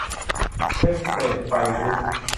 แอสเซท ไฟว์ กรุ๊ป